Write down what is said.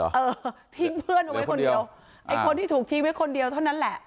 เออทิ้งเพื่อนเอาไว้คนเดียวไอ้คนที่ถูกทิ้งไว้คนเดียวเท่านั้นแหละ